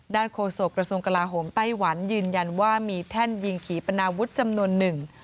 โฆษกระทรวงกลาโหมไต้หวันยืนยันว่ามีแท่นยิงขี่ปนาวุฒิจำนวนหนึ่ง